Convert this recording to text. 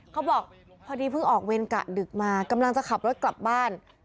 เขาบอกพอดีเพิ่งออกเวรกะดึกมากำลังจะขับรถกลับบ้าน